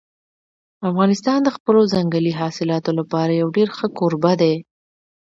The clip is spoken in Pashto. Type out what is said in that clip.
افغانستان د خپلو ځنګلي حاصلاتو لپاره یو ډېر ښه کوربه دی.